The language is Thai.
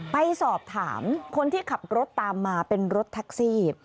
ไปสอบถามคนที่ขับรถตามมาเป็นรถแท็กซี่